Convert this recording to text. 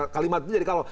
kalimat itu jadi kalau